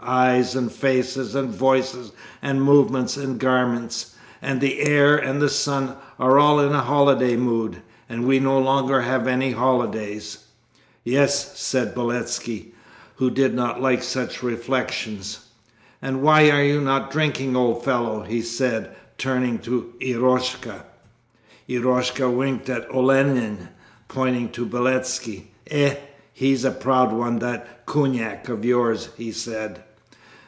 Eyes and faces and voices and movements and garments, and the air and the sun, are all in a holiday mood. And we no longer have any holidays!' 'Yes,' said Beletski, who did not like such reflections. 'And why are you not drinking, old fellow?' he said, turning to Eroshka. Eroshka winked at Olenin, pointing to Beletski. 'Eh, he's a proud one that kunak of yours,' he said.